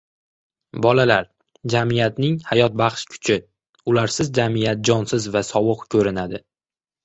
Bolalar — jamiyatning hayotbaxsh kuchi. Ularsiz jamiyat jonsiz va sovuq ko‘rinadi.